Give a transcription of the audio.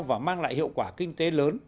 và mang lại hiệu quả kinh tế lớn